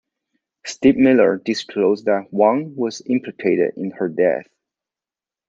Steve Miller disclosed that Hwang was "implicated" in her death.